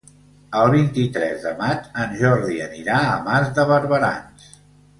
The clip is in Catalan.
El vint-i-tres de maig en Jordi anirà a Mas de Barberans.